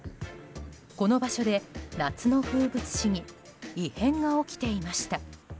この場所で、夏の風物詩に異変が起きていました。